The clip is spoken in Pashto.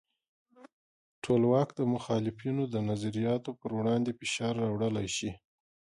ټولواک د مخالفینو د نظریاتو پر وړاندې فشار راوړلی شي.